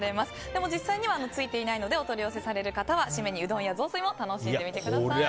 でも実際にはついていないのでお取り寄せされる方は締めに、うどんや雑炊も楽しんでみてください。